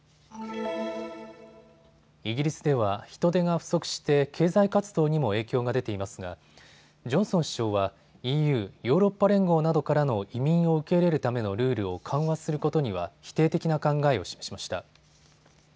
イギリスでは人手が不足して経済活動にも影響が出ていますがジョンソン首相はＥＵ・ヨーロッパ連合などからの移民を受け入れるためのルールを緩和することには否定的な考えを示しました。